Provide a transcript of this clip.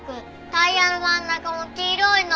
タイヤの真ん中も黄色いの。